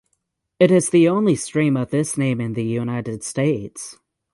It is the only stream of this name in the United States.